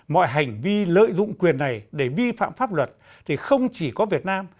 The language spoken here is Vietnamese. mọi hành vi lợi dụng quyền này để vi phạm pháp luật thì không chỉ có việt nam